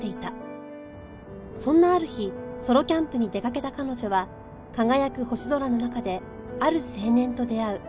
そんなある日ソロキャンプに出かけた彼女は輝く星空の中である青年と出会う